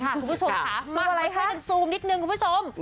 มากก็ใช้จนซูมนิดนึงคุณผู้ชม